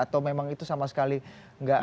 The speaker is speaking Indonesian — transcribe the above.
atau memang itu sama sekali nggak